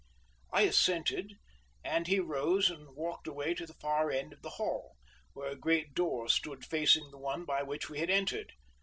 I assented, and he rose and walked away to the far end of the hall, where a great door stood facing the one by which we had entered.